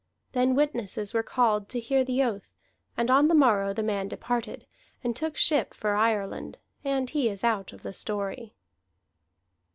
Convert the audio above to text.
Then witnesses were called to hear the oath; and on the morrow the man departed, and took ship for Ireland, and he is out of the story.